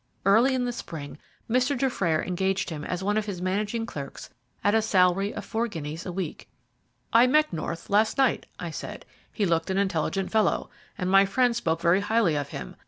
Early in the spring, Mr. Dufrayer engaged him as one of his managing clerks at a salary of four guineas a week." "I met North last night," I said. "He looked an intelligent fellow, and my friend spoke very highly of him.